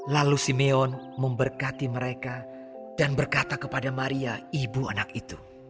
lalu simeon memberkati mereka dan berkata kepada maria ibu anak itu